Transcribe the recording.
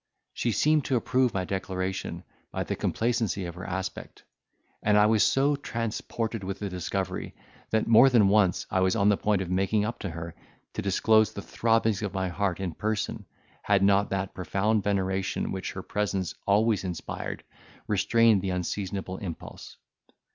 She seemed to approve my declaration, by the complacency of her aspect; and I was so transported with the discovery, that more than once I was on the point of making up to her, to disclose the throbbings of my heart in person, had not that profound veneration, which her presence always inspired, restrained the unseasonable impulse.